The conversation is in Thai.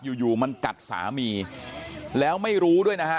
อยู่อยู่มันกัดสามีแล้วไม่รู้ด้วยนะฮะ